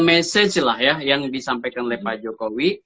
itu saya positif thinking jokowi itu punya commitment untuk memperbaiki